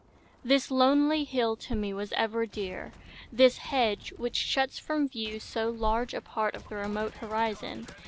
This lonely hill to me was ever dear, This hedge, which shuts from view so large a part Of the remote horizon.